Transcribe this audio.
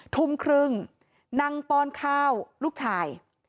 ทุ่มครึ่งนั่งป้อนข้าวลูกชาย